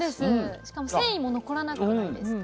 しかも繊維も残らなくないですか？